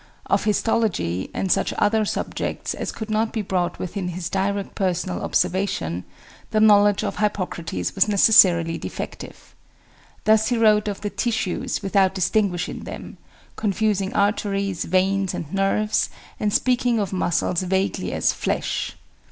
Of histology, and such other subjects as could not be brought within his direct personal observation, the knowledge of Hippocrates was necessarily defective. Thus he wrote of the tissues without distinguishing them; confusing arteries, veins, and nerves, and speaking of muscles vaguely as "flesh."